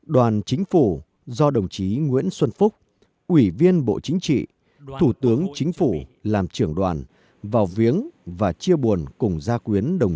đoàn chính phủ do đồng chí nguyễn xuân phúc ủy viên bộ chính trị thủ tướng chính phủ làm trưởng đoàn vào viếng và chia buồn